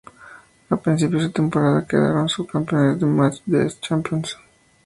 A principios de temporada, quedaron subcampeones del Match des Champions.